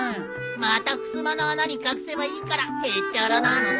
またふすまの穴に隠せばいいからへっちゃらなのさ。